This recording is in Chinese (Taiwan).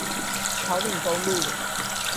草嶺公路